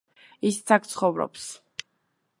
ისიც აქ ცხოვრობს.